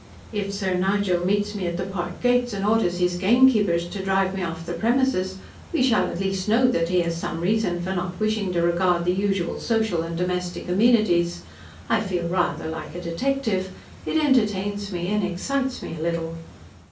If Sir Nigel meets me at the park gates and orders his gamekeepers to drive me off the premises, we shall at least know that he has some reason for not wishing to regard the usual social and domestic amenities. I feel rather like a detective. It entertains me and excites me a little."